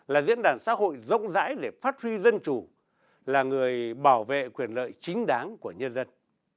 là diễn đàn xã hội rộng rãi để phát huy dân chủ là người bảo vệ quyền lợi chính đáng của nhân dân